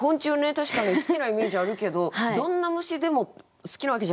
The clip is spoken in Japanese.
確かに好きなイメージあるけどどんな虫でも好きなわけじゃないっていう。